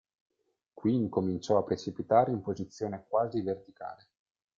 Qui incominciò a precipitare in posizione quasi verticale.